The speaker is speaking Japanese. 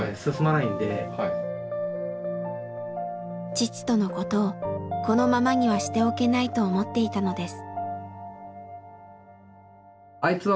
父とのことをこのままにはしておけないと思っていたのです。